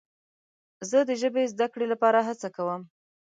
زه د ژبې زده کړې لپاره هڅه کوم.